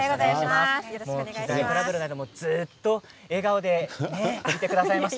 機材トラブルの間、ずっと笑顔でいてくださいました。